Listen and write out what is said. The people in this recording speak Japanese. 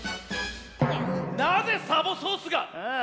なぜサボソースが！ああ。